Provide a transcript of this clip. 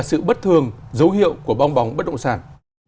sự bất thường dấu hiệu của bong bóng bất động sản